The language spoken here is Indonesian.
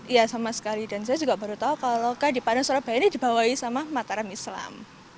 iya sama sekali dan saya juga baru tahu kalau kadipan surabaya ini dibawahi sama mataram islam